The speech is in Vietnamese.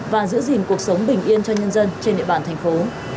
và giữ gìn cuộc sống bình yên cho nhân dân trên địa bàn thành phố